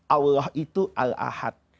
allah itu al ahad